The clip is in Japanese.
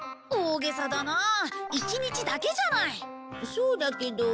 そうだけど。